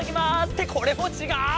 ってこれもちがう！